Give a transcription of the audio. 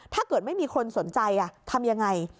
ถ้าเกิดไม่มีคนสนใจทำยังไง